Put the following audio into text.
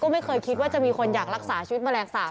ไม่เคยคิดว่าจะมีคนอยากรักษาชีวิตแมลงสาป